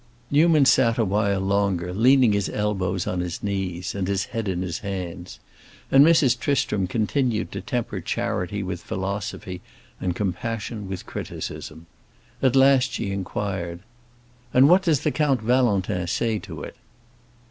Newman sat a while longer, leaning his elbows on his knees and his head in his hands, and Mrs. Tristram continued to temper charity with philosophy and compassion with criticism. At last she inquired, "And what does the Count Valentin say to it?"